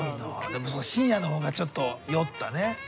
でも深夜の方がちょっと酔ったね。